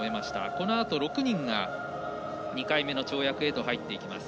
このあと６人が２回目の跳躍へと入っていきます。